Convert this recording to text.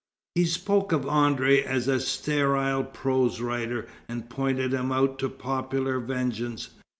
He spoke of André as a "sterile prose writer," and pointed him out to popular vengeance.